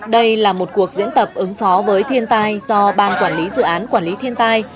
đây là một cuộc diễn tập ứng phó với thiên tai do ban quản lý dự án quản lý thiên tai